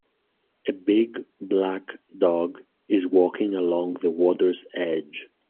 A big, black dog is walking along the water 's edge.